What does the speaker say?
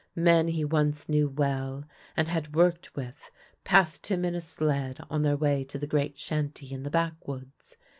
Men he once knew well, and had worked with, passed him in a sled on their way to the great shanty in the backwoods.